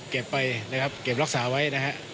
เก็บไปนะครับเก็บรักษาไว้นะฮะ